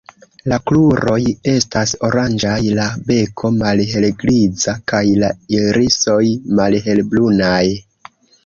La kruroj estas oranĝaj, la beko malhelgriza kaj la irisoj malhelbrunaj.